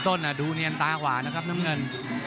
ดูเนียนตากว่านะครับน้ำเงิน